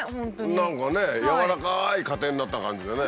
何かねやわらかい家庭になった感じでね。